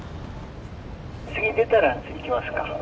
次出たら行きますか。